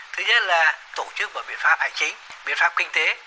thứ nhất là tổ chức bằng biện pháp hải chính biện pháp kinh tế